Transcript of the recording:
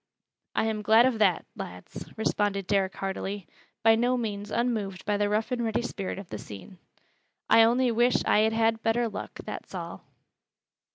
"I'm glad of that, lads," responded Derrick heartily, by no means unmoved by the rough and ready spirit of the scene. "I only wish I had had better luck, that's all."